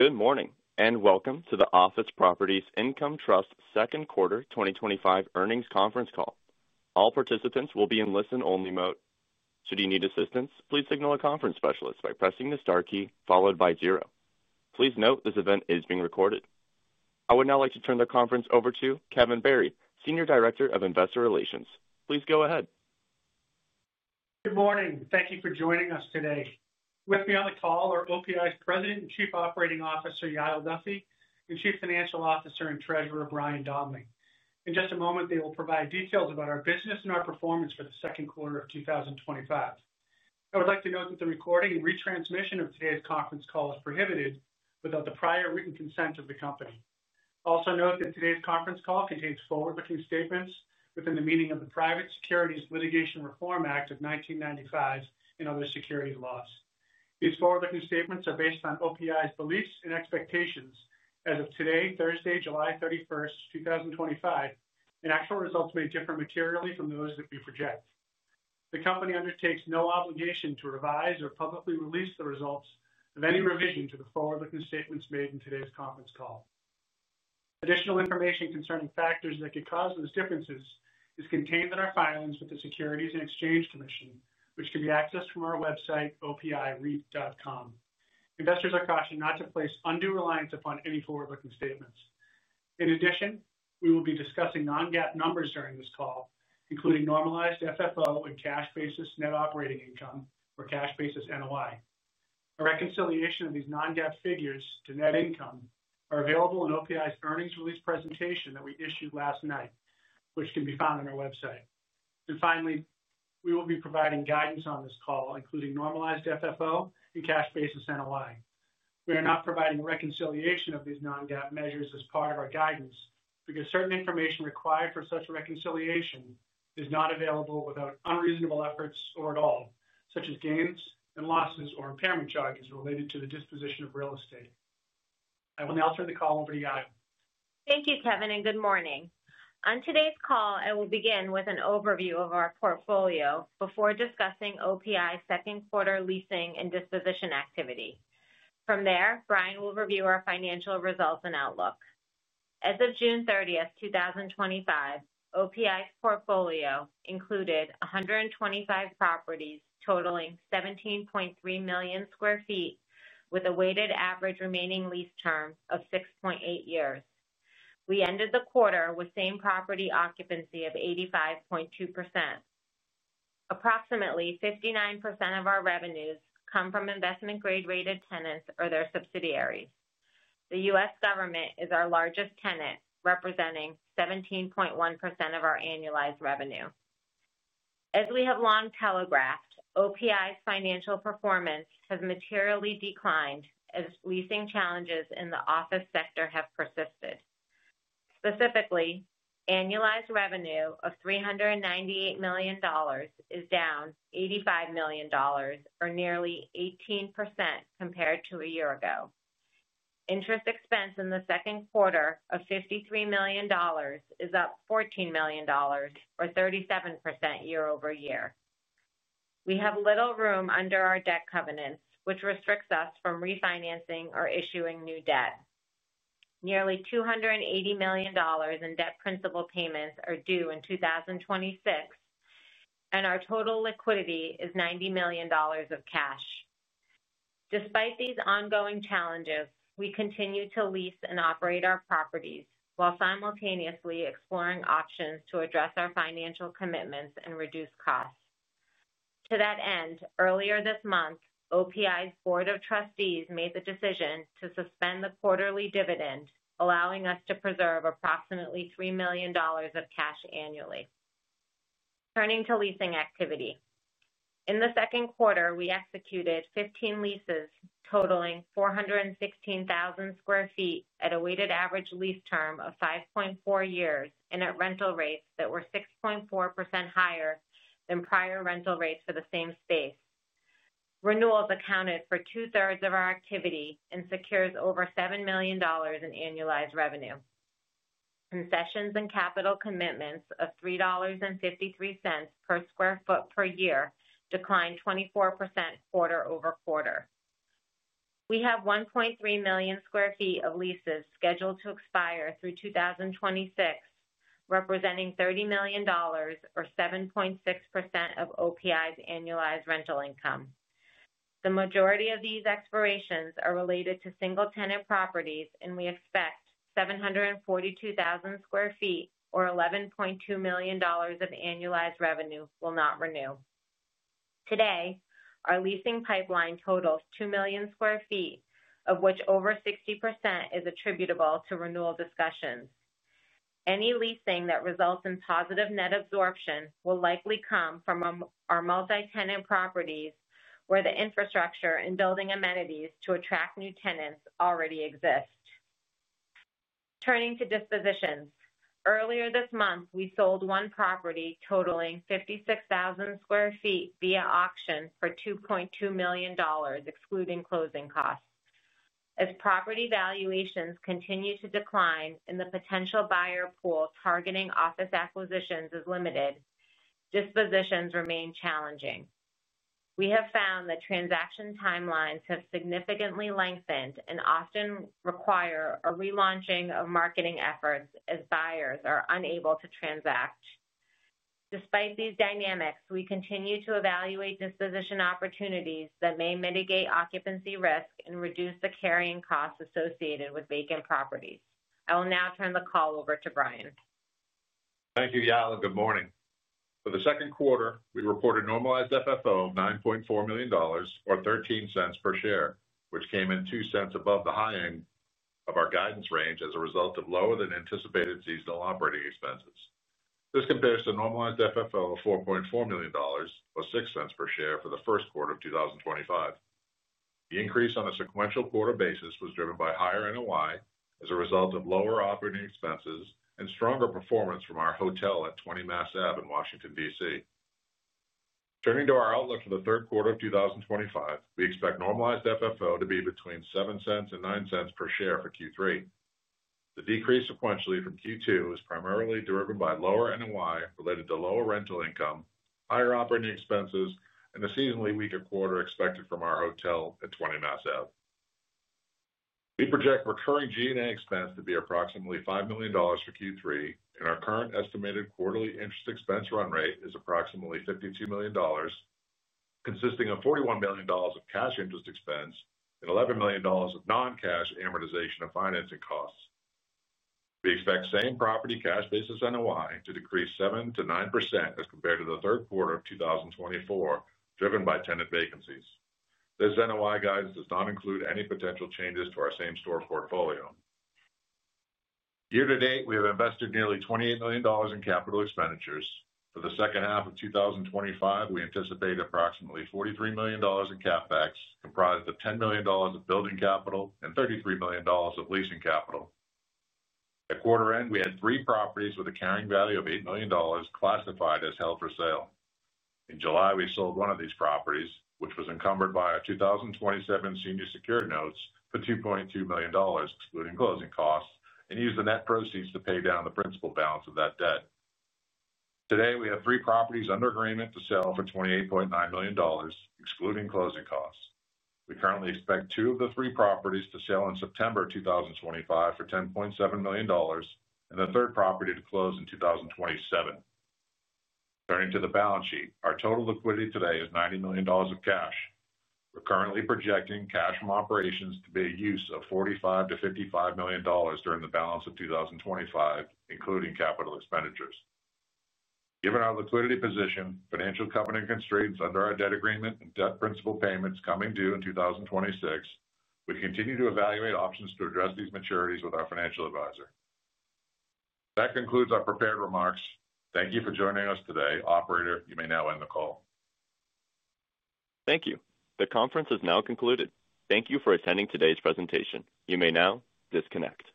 Good morning and welcome to the Office Properties Income Trust second quarter 2025 earnings conference call. All participants will be in listen-only mode. Should you need assistance, please signal a conference specialist by pressing the star key followed by zero. Please note this event is being recorded. I would now like to turn the conference over to Kevin Barry, Senior Director of Investor Relations. Please go ahead. Good morning. Thank you for joining us today. With me on the call are OPI's President and Chief Operating Officer, Yael Duffy, and Chief Financial Officer and Treasurer, Brian Donley. In just a moment, they will provide details about our business and our performance for the second quarter of 2025. I would like to note that the recording and retransmission of today's conference call is prohibited without the prior written consent of the company. Also note that today's conference call contains forward-looking statements within the meaning of the Private Securities Litigation Reform Act of 1995 and other securities laws. These forward-looking statements are based on OPI's beliefs and expectations as of today, Thursday, July 31st, 2025, and actual results may differ materially from those that we project. The company undertakes no obligation to revise or publicly release the results of any revision to the forward-looking statements made in today's conference call. Additional information concerning factors that could cause those differences is contained in our filings with the Securities and Exchange Commission, which can be accessed from our website, opireit.com. Investors are cautioned not to place undue reliance upon any forward-looking statements. In addition, we will be discussing non-GAAP numbers during this call, including normalized FFO and cash basis net operating income, or cash basis NOI. A reconciliation of these non-GAAP figures to net income is available in OPI's earnings release presentation that we issued last night, which can be found on our website. Finally, we will be providing guidance on this call, including normalized FFO and cash basis NOI. We are not providing reconciliation of these non-GAAP measures as part of our guidance because certain information required for such a reconciliation is not available without unreasonable efforts or at all, such as gains and losses or impairment charges related to the disposition of real estate. I will now turn the call over to Yael Duffy. Thank you, Kevin, and good morning. On today's call, I will begin with an overview of our portfolio before discussing OPI's second quarter leasing and disposition activity. From there, Brian will review our financial results and outlook. As of June 30th, 2025, OPI's portfolio included 125 properties totaling 17.3 million sq. ft., with a weighted average remaining lease term of 6.8 years. We ended the quarter with same property occupancy of 85.2%. Approximately 59% of our revenues come from investment-grade rated tenants or their subsidiaries. The U.S. government is our largest tenant, representing 17.1% of our annualized revenue. As we have long telegraphed, OPI's financial performance has materially declined as leasing challenges in the office sector have persisted. Specifically, annualized revenue of $398 million is down $85 million, or nearly 18% compared to a year ago. Interest expense in the second quarter of $53 million is up $14 million, or 37% year-over-year. We have little room under our debt covenants, which restricts us from refinancing or issuing new debt. Nearly $280 million in debt principal payments are due in 2026, and our total liquidity is $90 million of cash. Despite these ongoing challenges, we continue to lease and operate our properties while simultaneously exploring options to address our financial commitments and reduce costs. To that end, earlier this month, OPI's Board of Trustees made the decision to suspend the quarterly dividend, allowing us to preserve approximately $3 million of cash annually. Turning to leasing activity, in the second quarter, we executed 15 leases totaling 416,000 sq. ft. at a weighted average lease term of 5.4 years and at rental rates that were 6.4% higher than prior rental rates for the same space. Renewals accounted for two-thirds of our activity and secured over $7 million in annualized revenue. Concessions and capital commitments of $3.53 per sq. ft. per year declined 24% quarter over quarter. We have 1.3 sq. ft. of leases scheduled to expire through 2026, representing $30 million, or 7.6% of OPI's annualized rental income. The majority of these expirations are related to single-tenant properties, and we expect sq. ft., or $11.2 million of annualized revenue will not renew. Today, our leasing pipeline totals 2 sq. ft., of which over 60% is attributable to renewal discussions. Any leasing that results in positive net absorption will likely come from our multi-tenant properties where the infrastructure and building amenities to attract new tenants already exist. Turning to dispositions, earlier this month, we sold one property totaling sq. ft. via auction for $2.2 million, excluding closing costs. As property valuations continue to decline and the potential buyer pool targeting office acquisitions is limited, dispositions remain challenging. We have found that transaction timelines have significantly lengthened and often require a relaunching of marketing efforts as buyers are unable to transact. Despite these dynamics, we continue to evaluate disposition opportunities that may mitigate occupancy risk and reduce the carrying costs associated with vacant properties. I will now turn the call over to Brian. Thank you, Yael, and good morning. For the second quarter, we reported normalized FFO of $9.4 million or $0.13 per share, which came in $0.02 above the high end of our guidance range as a result of lower than anticipated seasonal operating expenses. This compares to normalized FFO of $4.4 million or $0.06 per share for the first quarter of 2025. The increase on a sequential quarter basis was driven by higher NOI as a result of lower operating expenses and stronger performance from our hotel at 20 Mass Ave in Washington, D.C. Turning to our outlook for the third quarter of 2025, we expect normalized FFO to be between $0.07 and $0.09 per share for Q3. The decrease sequentially from Q2 is primarily driven by lower NOI related to lower rental income, higher operating expenses, and a seasonally weaker quarter expected from our hotel at 20 Mass Ave. We project recurring G&A expense to be approximately $5 million for Q3, and our current estimated quarterly interest expense run rate is approximately $52 million, consisting of $41 million of cash interest expense and $11 million of non-cash amortization of financing costs. We expect same property cash basis NOI to decrease 7%-9% as compared to the third quarter of 2024, driven by tenant vacancies. This NOI guidance does not include any potential changes to our same store portfolio. Year to date, we have invested nearly $28 million in capital expenditures. For the second half of 2025, we anticipate approximately $43 million in CapEx, comprised of $10 million of building capital and $33 million of leasing capital. At quarter end, we had three properties with a carrying value of $8 million classified as held for sale. In July, we sold one of these properties, which was encumbered by our 2027 senior security notes for $2.2 million, excluding closing costs, and used the net proceeds to pay down the principal balance of that debt. Today, we have three properties under agreement to sell for $28.9 million, excluding closing costs. We currently expect two of the three properties to sell in September 2025 for $10.7 million and the third property to close in 2027. Turning to the balance sheet, our total liquidity today is $90 million of cash. We're currently projecting cash from operations to be a use of $45 million-$55 million during the balance of 2025, including capital expenditures. Given our liquidity position, financial covenant constraints under our debt agreement, and debt principal payments coming due in 2026, we continue to evaluate options to address these maturities with our financial advisor. That concludes our prepared remarks. Thank you for joining us today. Operator, you may now end the call. Thank you. The conference is now concluded. Thank you for attending today's presentation. You may now disconnect.